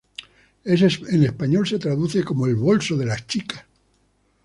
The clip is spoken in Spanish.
En español se traduce como "El bolso de las chicas".